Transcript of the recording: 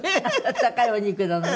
高いお肉なのね。